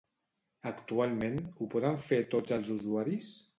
Actualment, ho poden fer tots els usuaris?